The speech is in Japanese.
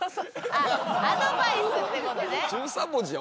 あっアドバイスって事ね。